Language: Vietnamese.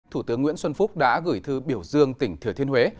thủ tướng nguyễn xuân phúc đã gửi thư biểu dương tỉnh thừa thiên huế